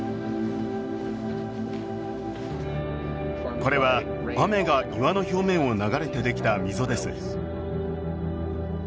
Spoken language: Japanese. これは雨が岩の表面を流れてできた溝です